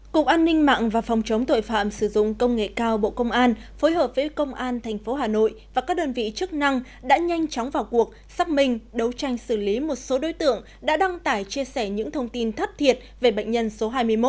cục an ninh mạng và phòng chống tội phạm sử dụng công nghệ cao bộ công an phối hợp với công an tp hà nội và các đơn vị chức năng đã nhanh chóng vào cuộc xác minh đấu tranh xử lý một số đối tượng đã đăng tải chia sẻ những thông tin thất thiệt về bệnh nhân số hai mươi một